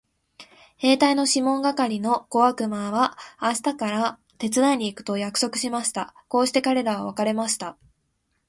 兵隊のシモン係の小悪魔は明日から手伝いに行くと約束しました。こうして彼等は別れました。